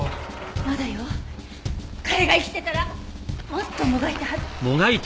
彼が生きてたらもっともがいたはず。